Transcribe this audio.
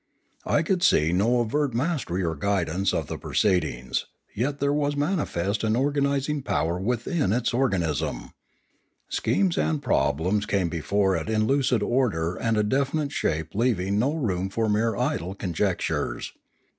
I could see no overt mastery or guidance of the proceedings, yet there was manifest an organising power within its organism. Polity .515 Schemes and problems came before it in lucid order and a definite shape leaving no room for mere idle con jectures.